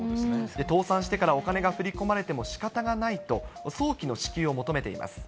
倒産してからお金が振り込まれてもしかたがないと、早期の支給を求めています。